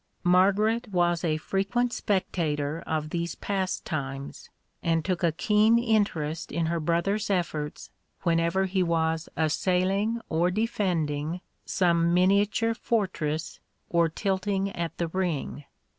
(1) Margaret was a frequent spectator of these pastimes, and took a keen interest in her brother's efforts whenever he was assailing or defending some miniature fortress or tilting at the ring.